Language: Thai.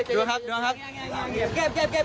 ดูนะครับ